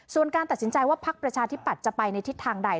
ส่วนการตัดสินใจว่าพักประชาธิปัตย์จะไปในทิศทางใด